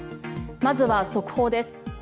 まずは速報です。